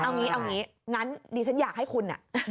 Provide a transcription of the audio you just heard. เอางี้เอางี้งั้นดิฉันอยากให้คุณ